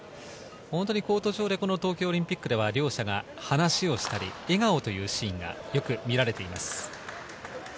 本当にコート上で東京オリンピックではお互い話をしたり笑顔というシーンがよく見られています。